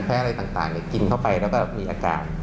อะไรต่างกินเข้าไปแล้วก็มีอาการ